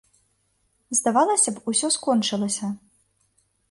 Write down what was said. Здавалася б, усё скончылася.